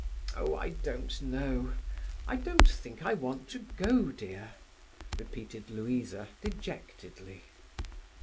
"Oh, I don't know. I don't think I want to go, dear," repeated Louisa dejectedly.